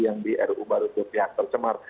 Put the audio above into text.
yang di ru baru terlihat tercemar